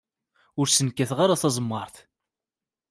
Ur sen-kkateɣ ara taẓemmaṛt.